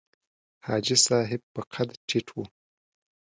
حاجي صاحب په قد ټیټ و.